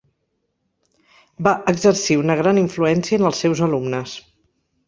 Va exercir una gran influència en els seus alumnes.